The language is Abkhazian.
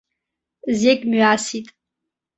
Зегь мҩасит.